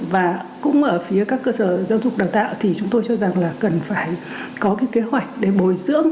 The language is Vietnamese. và cũng ở phía các cơ sở giáo dục đào tạo thì chúng tôi cho rằng là cần phải có cái kế hoạch để bồi dưỡng